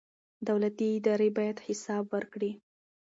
دولتي ادارې باید حساب ورکړي.